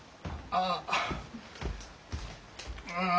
ああ。